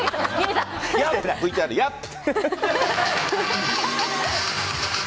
ＶＴＲ、ヤーップ！